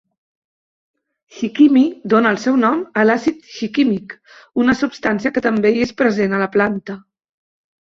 "Shikimi" dona el seu nom a l"àcid shikímic, una substància que també hi és present a la planta.